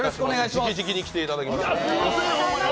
じきじきに来ていただきました。